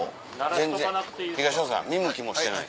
全然東野さん見向きもしてない。